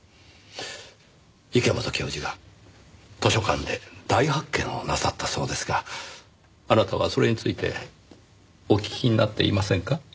池本教授が図書館で大発見をなさったそうですがあなたはそれについてお聞きになっていませんか？